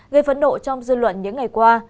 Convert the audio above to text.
gây phấn độ trong dư luận những ngày qua